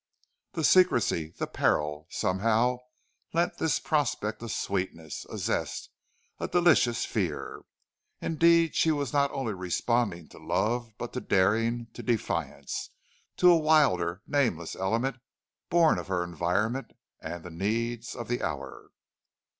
The secrecy, the peril, somehow lent this prospect a sweetness, a zest, a delicious fear. Indeed, she was not only responding to love, but to daring, to defiance, to a wilder nameless element born of her environment and the needs of the hour.